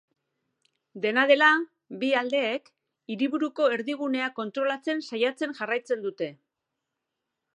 Dena dela, bi aldeek hiriburuko erdigunea kontrolatzen saiatzen jarraitzen dute.